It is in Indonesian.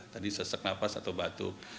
tadi sesak nafas atau batuk